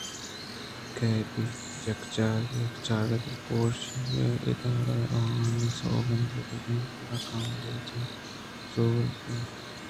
کئے بیت یک چارءُ دلگوشی ءِ ادارہے آوان ءَ سوگہہ بہ کنت گڑا آ گامگیج زُور اَنت